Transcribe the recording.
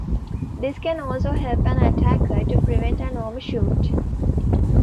This can also help an attacker to prevent an overshoot.